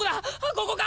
ここか？